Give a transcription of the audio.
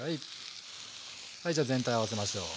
はいじゃ全体合わせましょう。